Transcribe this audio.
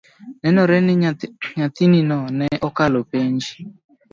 Nenore ni nyathinino ne okalo penj